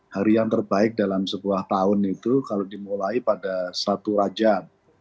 hari yang terbaik dalam sebuah tahun itu kalau dimulai pada satu rajab